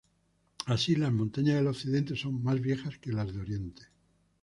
Así, las montañas del occidente son "más viejas" que las de oriente.